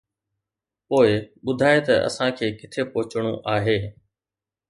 پوءِ ٻڌاءِ ته اسان کي ڪٿي پهچڻو آهي